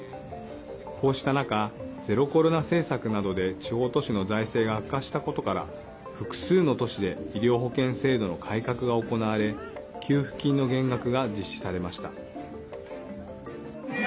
こうした中ゼロコロナ政策などで地方都市の財政が悪化したことから複数の都市で医療保険制度の改革が行われ給付金の減額が実施されました。